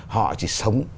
họ chỉ sống